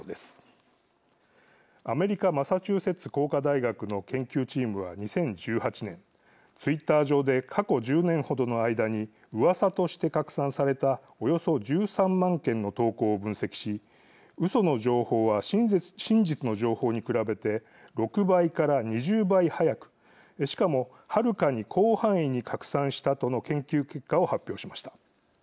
アメリカマサチューセッツ工科大学の研究チームは２０１８年ツイッター上で過去１０年ほどの間にうわさとして拡散されたおよそ１３万件の投稿を分析しうその情報は真実の情報に比べて６倍から２０倍速くしかもはるかに広範囲に拡散したとの研究結果を発表しました。